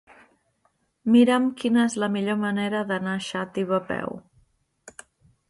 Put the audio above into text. Mira'm quina és la millor manera d'anar a Xàtiva a peu.